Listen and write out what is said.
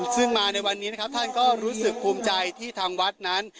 ซึ่งมาในวันนี้นะครับท่านก็รู้สึกภูมิใจที่ทางวัดนั้น